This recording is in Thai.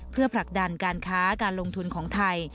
เพื่อผลักดันการค้าการลงทุนของไทย